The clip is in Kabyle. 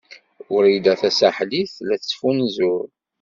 Wrida Tasaḥlit tella tettfunzur.